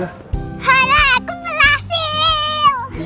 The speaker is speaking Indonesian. hara aku berhasil